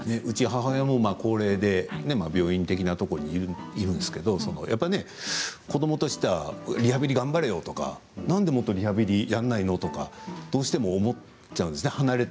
うち、母親も高齢で病院的なところにいるんですけどやっぱりね、子どもとしてはリハビリ頑張れよとかなんで、もっとリハビリやんないの？とかどうしても思っちゃうんですね